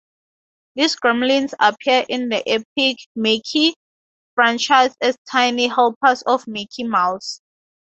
The Gremlins appear in the "Epic Mickey" franchise as tiny helpers of Mickey Mouse.